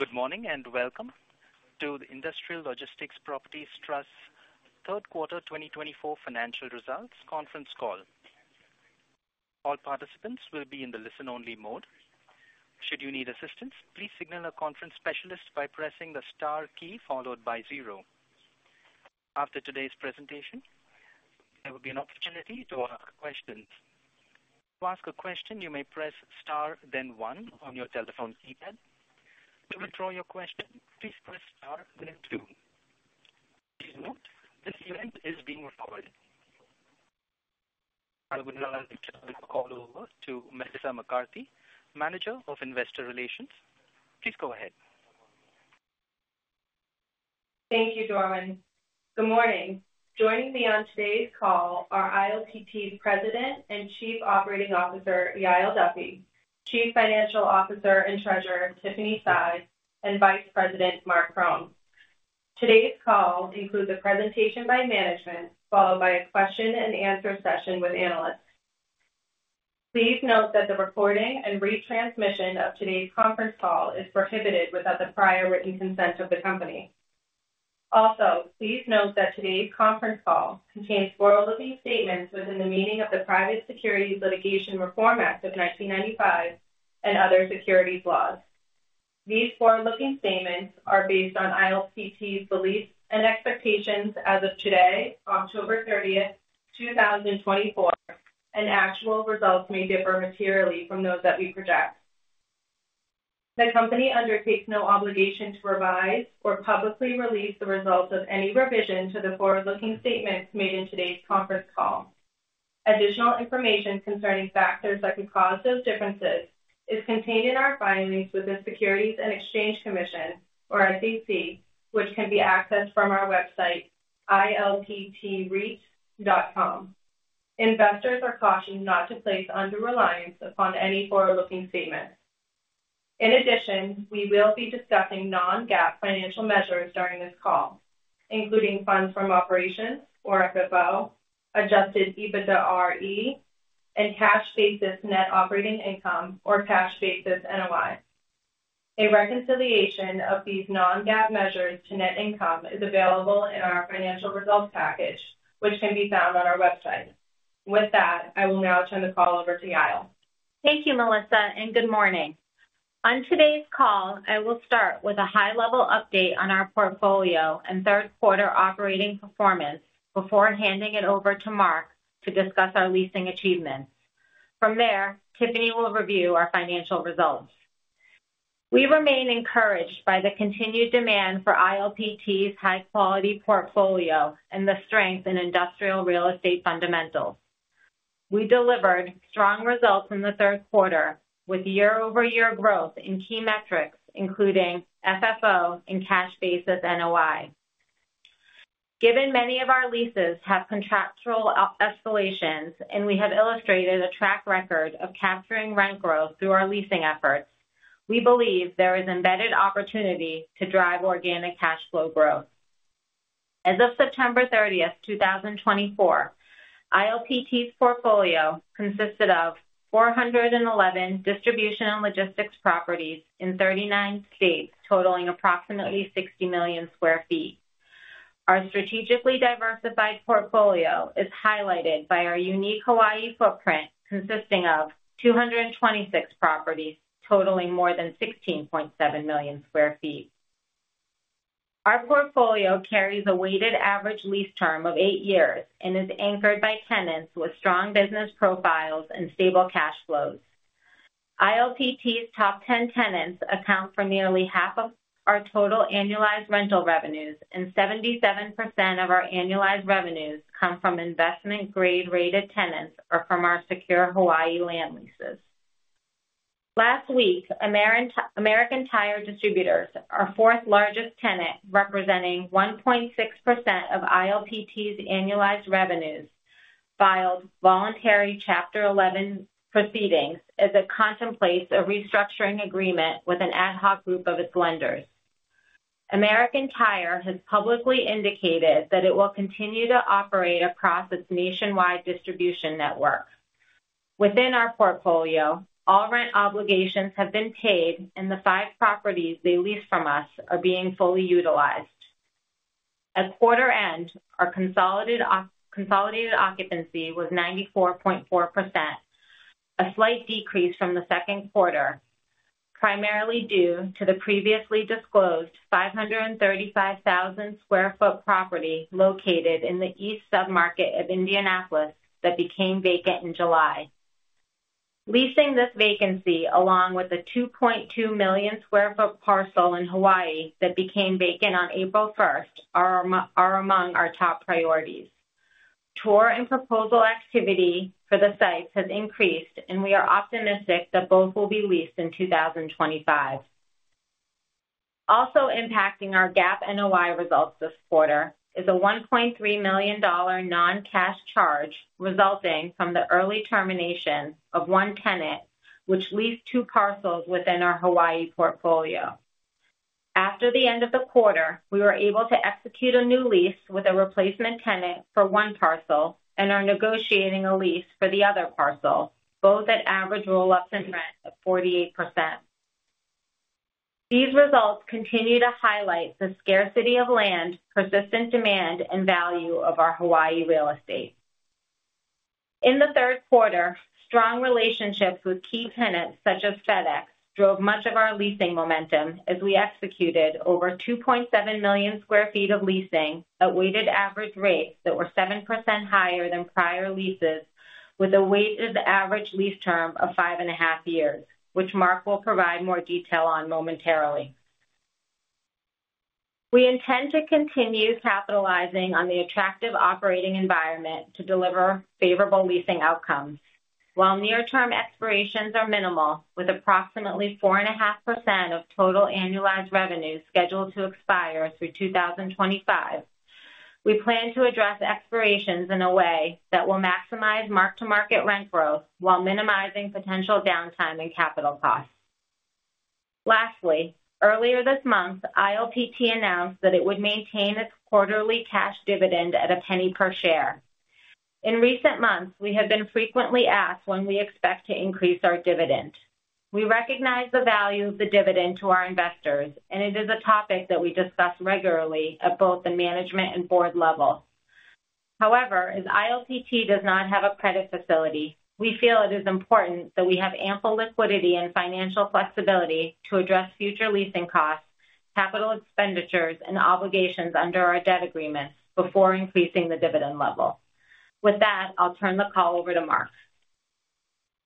Good morning and welcome to the Industrial Logistics Properties Trust third quarter 2024 financial results conference call. All participants will be in the listen-only mode. Should you need assistance, please signal a conference specialist by pressing the star key followed by zero. After today's presentation, there will be an opportunity to ask questions. To ask a question, you may press star, then one on your telephone keypad. To withdraw your question, please press star, then two. Please note, this event is being recorded. I will now call over to Melissa McCarthy, Manager of Investor Relations. Please go ahead. Thank you, Dorman. Good morning. Joining me on today's call are ILPT President and Chief Operating Officer Yael Duffy, Chief Financial Officer and Treasurer Tiffany Sy, and Vice President Marc Krohn. Today's call includes a presentation by management followed by a question-and-answer session with analysts. Please note that the recording and retransmission of today's conference call is prohibited without the prior written consent of the company. Also, please note that today's conference call contains forward-looking statements within the meaning of the Private Securities Litigation Reform Act of 1995 and other securities laws. These forward-looking statements are based on ILPT's beliefs and expectations as of today, October 30th, 2024, and actual results may differ materially from those that we project. The company undertakes no obligation to revise or publicly release the results of any revision to the forward-looking statements made in today's conference call. Additional information concerning factors that could cause those differences is contained in our filings with the Securities and Exchange Commission, or SEC, which can be accessed from our website, ilptreit.com. Investors are cautioned not to place undue reliance upon any forward-looking statements. In addition, we will be discussing non-GAAP financial measures during this call, including funds from operations, or FFO, adjusted EBITDAre, and cash basis net operating income, or cash basis NOI. A reconciliation of these non-GAAP measures to net income is available in our financial results package, which can be found on our website. With that, I will now turn the call over to Yael. Thank you, Melissa, and good morning. On today's call, I will start with a high-level update on our portfolio and third quarter operating performance before handing it over to Marc to discuss our leasing achievements. From there, Tiffany will review our financial results. We remain encouraged by the continued demand for ILPT's high-quality portfolio and the strength in industrial real estate fundamentals. We delivered strong results in the third quarter with year-over-year growth in key metrics, including FFO and cash basis NOI. Given many of our leases have contractual escalations and we have illustrated a track record of capturing rent growth through our leasing efforts, we believe there is embedded opportunity to drive organic cash flow growth. As of September 30th, 2024, ILPT's portfolio consisted of 411 distribution and logistics properties in 39 states, totaling approximately 60 million sq ft. Our strategically diversified portfolio is highlighted by our unique Hawaii footprint consisting of 226 properties totaling more than 16.7 million sq ft. Our portfolio carries a weighted average lease term of eight years and is anchored by tenants with strong business profiles and stable cash flows. ILPT's top 10 tenants account for nearly half of our total annualized rental revenues, and 77% of our annualized revenues come from investment-grade rated tenants or from our secure Hawaii land leases. Last week, American Tire Distributors, our fourth-largest tenant, representing 1.6% of ILPT's annualized revenues, filed voluntary Chapter 11 proceedings as it contemplates a restructuring agreement with an ad hoc group of its lenders. American Tire has publicly indicated that it will continue to operate across its nationwide distribution network. Within our portfolio, all rent obligations have been paid and the five properties they leased from us are being fully utilized. At quarter end, our consolidated occupancy was 94.4%, a slight decrease from the second quarter, primarily due to the previously disclosed 535,000 sq ft property located in the east submarket of Indianapolis that became vacant in July. Leasing this vacancy, along with the 2.2 million sq ft parcel in Hawaii that became vacant on April 1st, are among our top priorities. Tour and proposal activity for the sites has increased, and we are optimistic that both will be leased in 2025. Also impacting our GAAP NOI results this quarter is a $1.3 million non-cash charge resulting from the early termination of one tenant which leased two parcels within our Hawaii portfolio. After the end of the quarter, we were able to execute a new lease with a replacement tenant for one parcel and are negotiating a lease for the other parcel, both at average roll-ups in rent of 48%. These results continue to highlight the scarcity of land, persistent demand, and value of our Hawaii real estate. In the third quarter, strong relationships with key tenants such as FedEx drove much of our leasing momentum as we executed over 2.7 million sq ft of leasing at weighted average rates that were 7% higher than prior leases, with a weighted average lease term of five and a half years, which Marc will provide more detail on momentarily. We intend to continue capitalizing on the attractive operating environment to deliver favorable leasing outcomes. While near-term expirations are minimal, with approximately 4.5% of total annualized revenues scheduled to expire through 2025, we plan to address expirations in a way that will maximize mark-to-market rent growth while minimizing potential downtime and capital costs. Lastly, earlier this month, ILPT announced that it would maintain its quarterly cash dividend at $0.01 per share. In recent months, we have been frequently asked when we expect to increase our dividend. We recognize the value of the dividend to our investors, and it is a topic that we discuss regularly at both the management and board level. However, as ILPT does not have a credit facility, we feel it is important that we have ample liquidity and financial flexibility to address future leasing costs, capital expenditures, and obligations under our debt agreements before increasing the dividend level. With that, I'll turn the call over to Marc.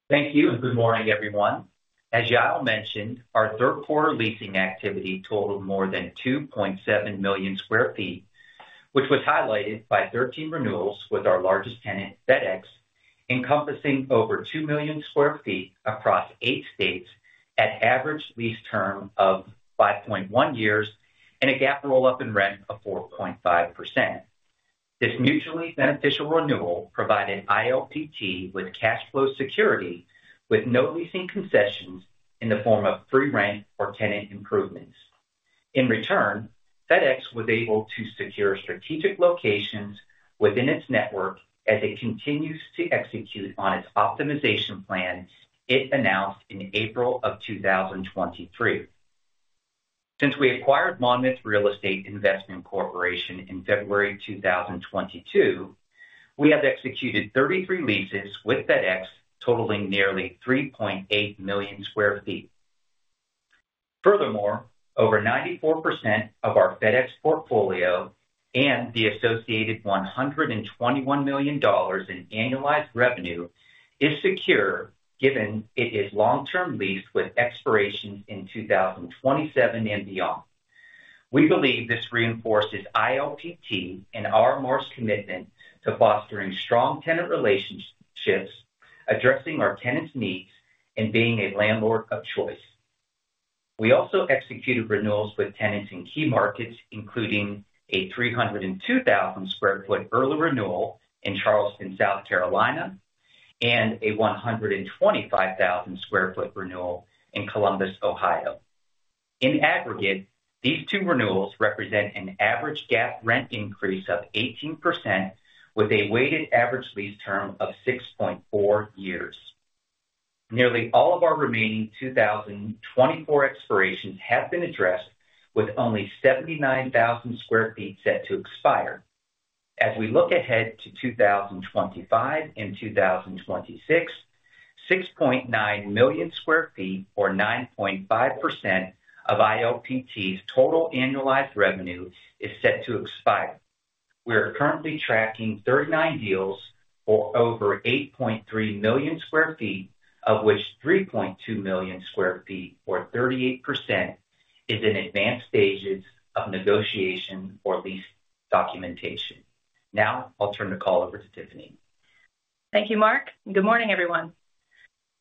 Thank you and good morning, everyone. As Yael mentioned, our third quarter leasing activity totaled more than 2.7 million sq ft, which was highlighted by 13 renewals with our largest tenant, FedEx, encompassing over 2 million sq ft across eight states at average lease term of 5.1 years and a GAAP roll-up in rent of 4.5%. This mutually beneficial renewal provided ILPT with cash flow security with no leasing concessions in form of free rent or tenant improvement in return FedEX will be able to secure strategic locations within its network as it continues to execute on its optimization plan it announced in April of 2023. Since we acquired Monmouth Real Estate Investment Corporation in February 2022, we have executed 33 leases with FedEx totaling nearly 3.8 million sq ft. Furthermore, over 94% of our FedEx portfolio and the associated $121 million in annualized revenue is secure given it is long-term leased with expirations in 2027 and beyond. We believe this reinforces ILPT and our core commitment to fostering strong tenant relationships, addressing our tenants' needs, and being a landlord of choice. We also executed renewals with tenants in key markets, including a 302,000 sq ft early renewal in Charleston, South Carolina, and a 125,000 sq ft renewal in Columbus, Ohio. In aggregate, these two renewals represent an average GAAP rent increase of 18% with a weighted average lease term of 6.4 years. Nearly all of our remaining 2024 expirations have been addressed with only 79,000 sq ft set to expire. As we look ahead to 2025 and 2026, 6.9 million sq ft, or 9.5% of ILPT's total annualized revenue, is set to expire. We are currently tracking 39 deals for over 8.3 million sq ft, of which 3.2 million sq ft, or 38%, is in advanced stages of negotiation or lease documentation. Now, I'll turn the call over to Tiffany. Thank you, Marc. Good morning, everyone.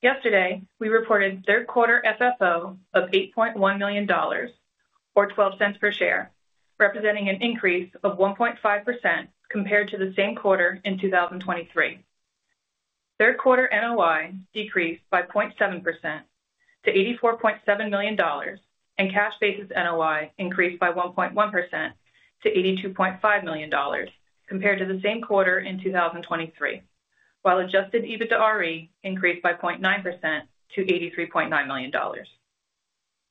Yesterday, we reported third quarter FFO of $8.1 million, or $0.12 per share, representing an increase of 1.5% compared to the same quarter in 2023. Third quarter NOI decreased by 0.7% to $84.7 million, and cash basis NOI increased by 1.1% to $82.5 million compared to the same quarter in 2023, while Adjusted EBITDAre increased by 0.9% to $83.9 million.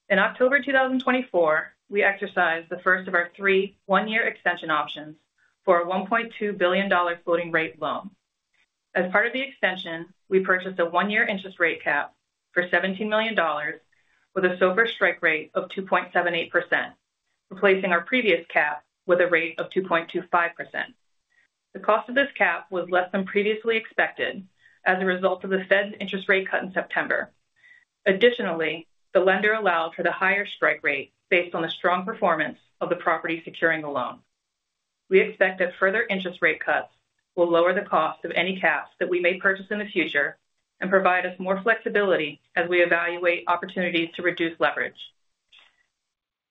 In October 2024, we exercised the first of our three one-year extension options for a $1.2 billion floating rate loan. As part of the extension, we purchased a one-year interest rate cap for $17 million with a SOFR strike rate of 2.78%, replacing our previous cap with a rate of 2.25%. The cost of this cap was less than previously expected as a result of the Fed's interest rate cut in September. Additionally, the lender allowed for the higher strike rate based on the strong performance of the property securing the loan. We expect that further interest rate cuts will lower the cost of any caps that we may purchase in the future and provide us more flexibility as we evaluate opportunities to reduce leverage.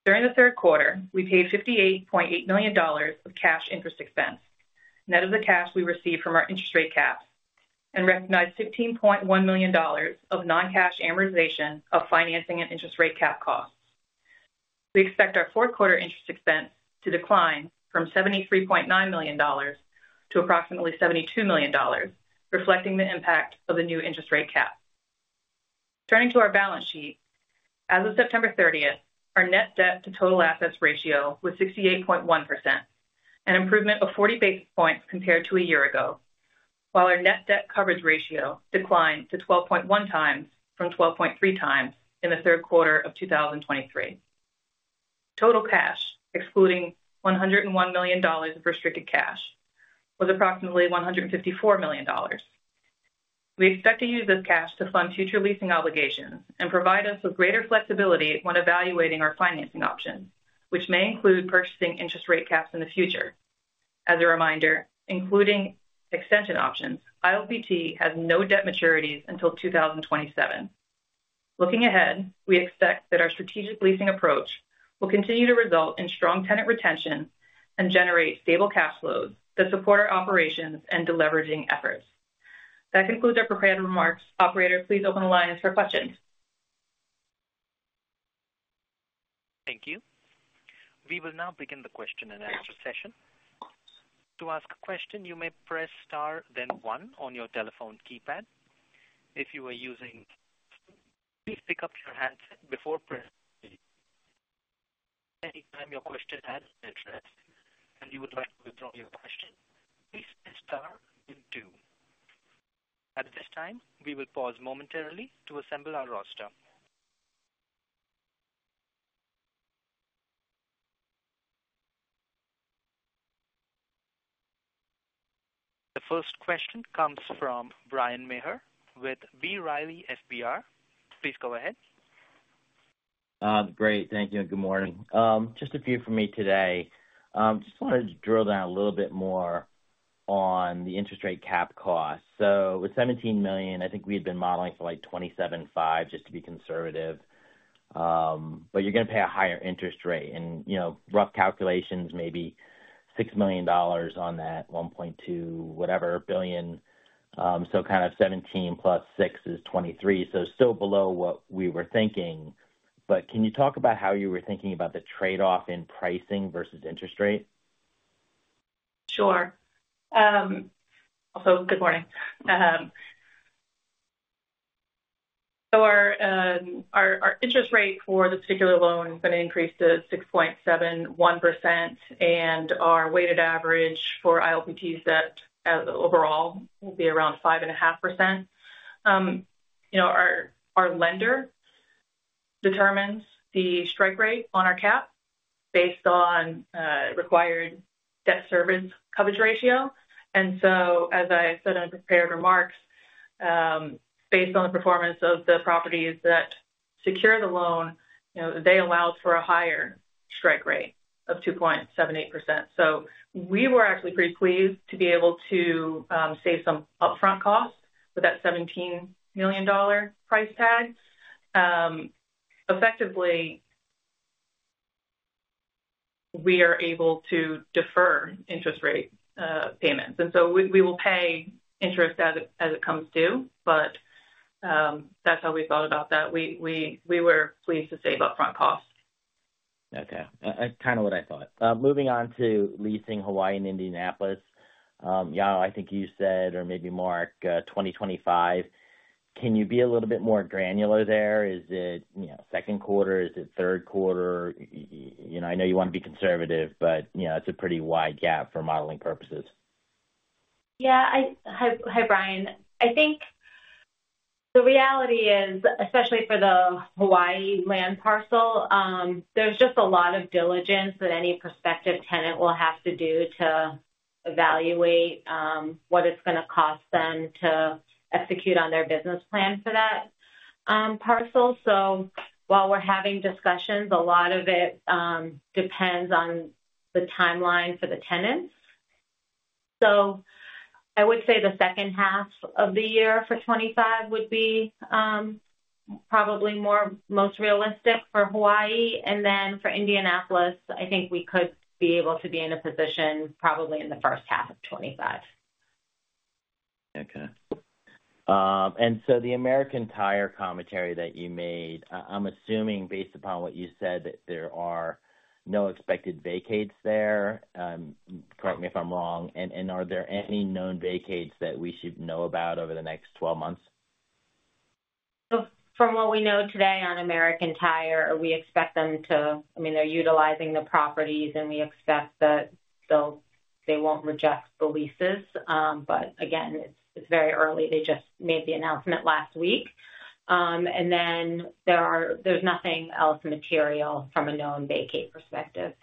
During the third quarter, we paid $58.8 million of cash interest expense, net of the cash we received from our interest rate caps, and recognized $15.1 million of non-cash amortization of financing and interest rate cap costs. We expect our fourth quarter interest expense to decline from $73.9 million to approximately $72 million, reflecting the impact of the new interest rate cap. Turning to our balance sheet, as of September 30th, our net debt to total assets ratio was 68.1%, an improvement of 40 basis points compared to a year ago, while our net debt coverage ratio declined to 12.1 times from 12.3 times in the third quarter of 2023. Total cash, excluding $101 million of restricted cash, was approximately $154 million. We expect to use this cash to fund future leasing obligations and provide us with greater flexibility when evaluating our financing options, which may include purchasing interest rate caps in the future. As a reminder, including extension options, ILPT has no debt maturities until 2027. Looking ahead, we expect that our strategic leasing approach will continue to result in strong tenant retention and generate stable cash flows that support our operations and deleveraging efforts. That concludes our prepared remarks. Operator, please open the line for questions. Thank you. We will now begin the question and answer session. To ask a question, you may press star, then one on your telephone keypad. If you are using a computer, please pick up your handset before pressing any keys. If at any time your question has been answered and you would like to withdraw your question, please press star and two. At this time, we will pause momentarily to assemble our roster. The first question comes from Bryan Maher with B. Riley FBR. Please go ahead. Great. Thank you. And good morning. Just a few for me today. Just wanted to drill down a little bit more on the interest rate cap cost. So with $17 million, I think we had been modeling for like $27.5 million just to be conservative. But you're going to pay a higher interest rate and rough calculations, maybe $6 million on that $1.2 billion, whatever. So kind of 17 plus six is 23. So still below what we were thinking. But can you talk about how you were thinking about the trade-off in pricing versus interest rate? Sure. Also, good morning. So our interest rate for this particular loan is going to increase to 6.71%, and our weighted average for ILPT overall will be around 5.5%. Our lender determines the strike rate on our cap based on required debt service coverage ratio. And so, as I said in the prepared remarks, based on the performance of the properties that secure the loan, they allowed for a higher strike rate of 2.78%. So we were actually pretty pleased to be able to save some upfront costs with that $17 million price tag. Effectively, we are able to defer interest rate payments. And so we will pay interest as it comes due, but that's how we thought about that. We were pleased to save upfront costs. Okay. That's kind of what I thought. Moving on to leasing Hawaii and Indianapolis, Yael, I think you said, or maybe Marc, 2025. Can you be a little bit more granular there? Is it second quarter? Is it third quarter? I know you want to be conservative, but it's a pretty wide gap for modeling purposes. Yeah. Hi, Brian. I think the reality is, especially for the Hawaii land parcel, there's just a lot of diligence that any prospective tenant will have to do to evaluate what it's going to cost them to execute on their business plan for that parcel. So while we're having discussions, a lot of it depends on the timeline for the tenants. So I would say the second half of the year for 2025 would be probably most realistic for Hawaii. And then for Indianapolis, I think we could be able to be in a position probably in the first half of 2025. Okay. And so the American Tire commentary that you made, I'm assuming based upon what you said that there are no expected vacates there. Correct me if I'm wrong. And are there any known vacates that we should know about over the next 12 months? From what we know today on American Tire, we expect them to, I mean, they're utilizing the properties, and we expect that they won't reject the leases, but again, it's very early. They just made the announcement last week, and then there's nothing else material from a known vacate perspective.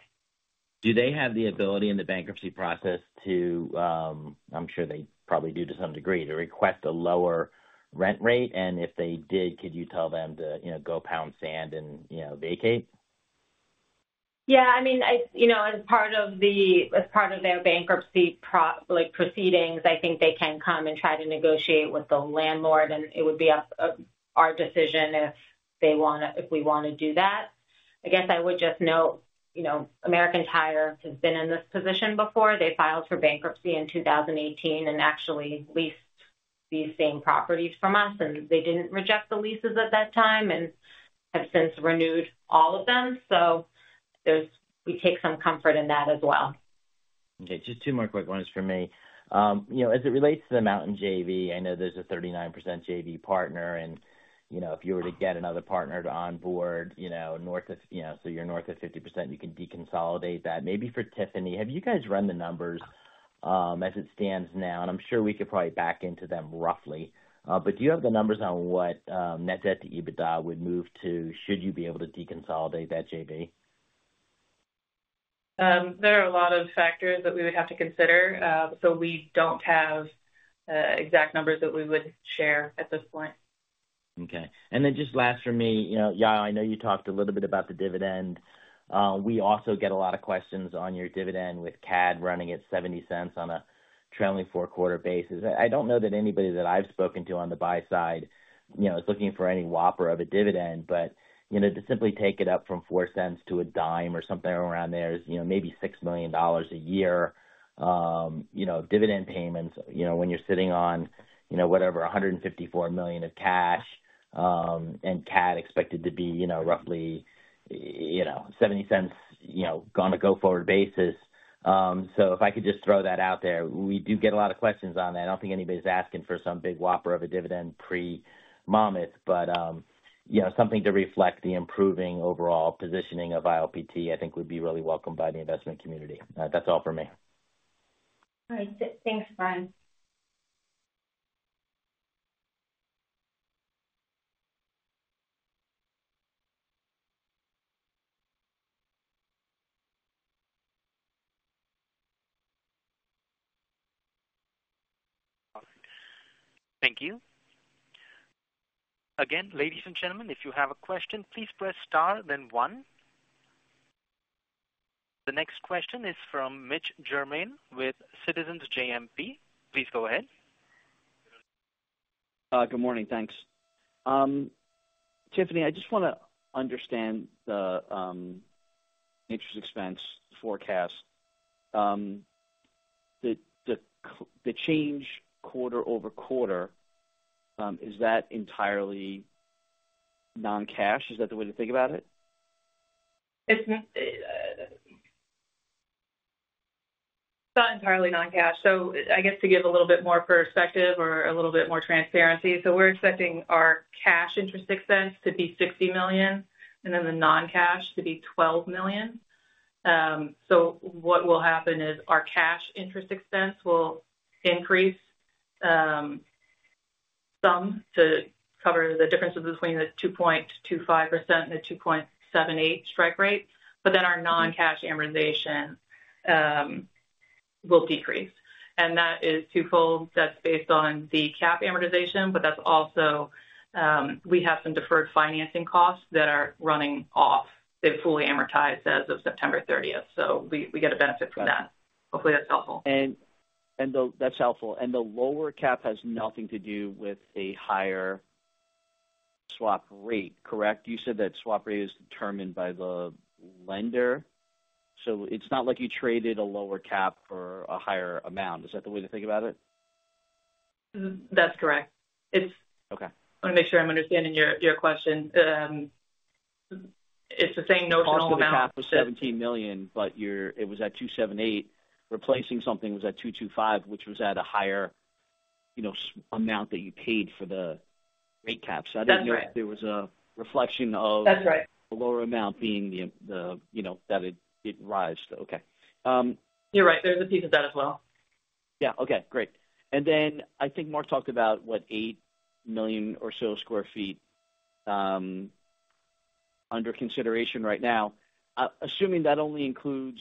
Do they have the ability in the bankruptcy process to, I'm sure they probably do to some degree, to request a lower rent rate? And if they did, could you tell them to go pound sand and vacate? Yeah. I mean, as part of their bankruptcy proceedings, I think they can come and try to negotiate with the landlord, and it would be our decision if we want to do that. I guess I would just note American Tire has been in this position before. They filed for bankruptcy in 2018 and actually leased these same properties from us, and they didn't reject the leases at that time and have since renewed all of them. So we take some comfort in that as well. Okay. Just two more quick ones for me. As it relates to the Mountain JV, I know there's a 39% JV partner. And if you were to get another partner to onboard, so you're north of 50%, you can deconsolidate that. Maybe for Tiffany, have you guys run the numbers as it stands now? And I'm sure we could probably back into them roughly. But do you have the numbers on what net debt to EBITDA would move to should you be able to deconsolidate that JV? There are a lot of factors that we would have to consider. So we don't have exact numbers that we would share at this point. Okay. And then just last for me, Yael, I know you talked a little bit about the dividend. We also get a lot of questions on your dividend with CAD running at $0.70 on a trailing four-quarter basis. I don't know that anybody that I've spoken to on the buy side is looking for any whopper of a dividend, but to simply take it up from $0.04 to $0.10 or something around there is maybe $6 million a year of dividend payments when you're sitting on, whatever, $154 million of cash and CAD expected to be roughly $0.70 on a go-forward basis. So if I could just throw that out there, we do get a lot of questions on that. I don't think anybody's asking for some big whopper of a dividend pre-Monmouth, but something to reflect the improving overall positioning of ILPT, I think, would be really welcome by the investment community. That's all for me. All right. Thanks, Brian. Thank you. Again, ladies and gentlemen, if you have a question, please press star, then one. The next question is from Mitch Germain with Citizens JMP. Please go ahead. Good morning. Thanks. Tiffany, I just want to understand the interest expense forecast. The change quarter over quarter, is that entirely non-cash? Is that the way to think about it? It's not entirely non-cash. So I guess to give a little bit more perspective or a little bit more transparency, so we're expecting our cash interest expense to be $60 million and then the non-cash to be $12 million. So what will happen is our cash interest expense will increase some to cover the differences between the 2.25% and the 2.78% strike rate, but then our non-cash amortization will decrease. And that is twofold. That's based on the cap amortization, but that's also we have some deferred financing costs that are running off. They've fully amortized as of September 30th. So we get a benefit from that. Hopefully, that's helpful. That's helpful. The lower cap has nothing to do with a higher swap rate, correct? You said that swap rate is determined by the lender. It's not like you traded a lower cap for a higher amount. Is that the way to think about it? That's correct. I want to make sure I'm understanding your question. It's the same notional amount. The swap cap was $17 million, but it was at 278. Replacing something was at 225, which was at a higher amount that you paid for the rate cap. So I didn't know if there was a reflection of a lower amount being that it rose. Okay. You're right. There's a piece of that as well. Yeah. Okay. Great. And then I think Marc talked about what, 8 million or so sq ft under consideration right now. Assuming that only includes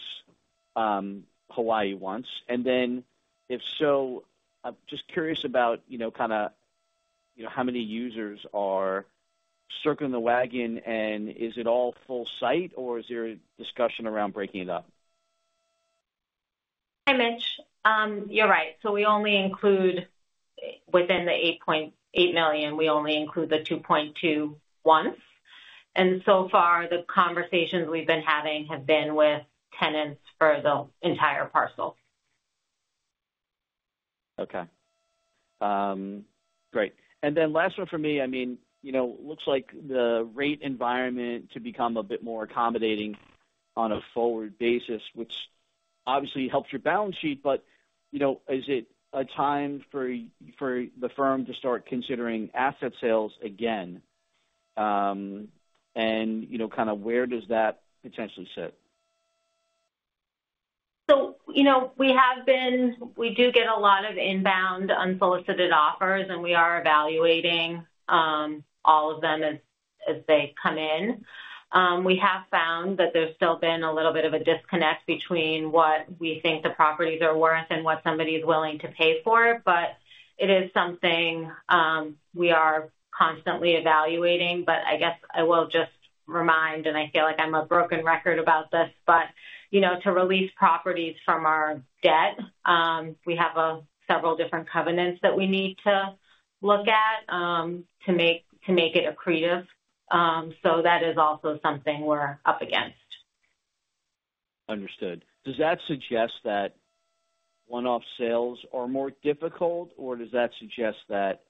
Hawaii once. And then if so, I'm just curious about kind of how many users are circling the wagon, and is it all full site, or is there a discussion around breaking it up? Hi, Mitch. You're right. So we only include within the 8.8 million, we only include the 2.2 once. And so far, the conversations we've been having have been with tenants for the entire parcel. Okay. Great. And then last one for me, I mean, it looks like the rate environment to become a bit more accommodating on a forward basis, which obviously helps your balance sheet, but is it a time for the firm to start considering asset sales again? And kind of where does that potentially sit? So we do get a lot of inbound unsolicited offers, and we are evaluating all of them as they come in. We have found that there's still been a little bit of a disconnect between what we think the properties are worth and what somebody is willing to pay for. But it is something we are constantly evaluating. But I guess I will just remind, and I feel like I'm a broken record about this, but to release properties from our debt, we have several different covenants that we need to look at to make it accretive. So that is also something we're up against. Understood. Does that suggest that one-off sales are more difficult, or does that suggest that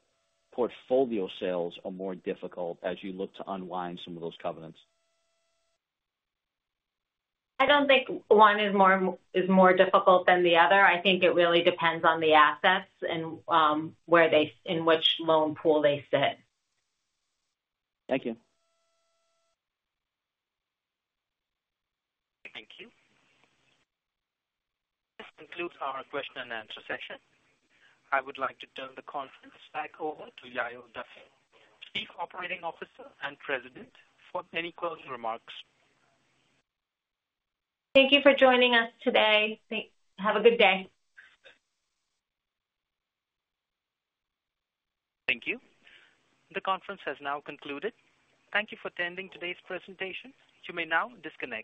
portfolio sales are more difficult as you look to unwind some of those covenants? I don't think one is more difficult than the other. I think it really depends on the assets and in which loan pool they sit. Thank you. Thank you. This concludes our question and answer session. I would like to turn the conference back over to Yael Duffy, Chief Operating Officer and President, for any closing remarks. Thank you for joining us today. Have a good day. Thank you. The conference has now concluded. Thank you for attending today's presentation. You may now disconnect.